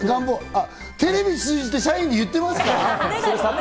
テレビを通じて社員に言ってますか？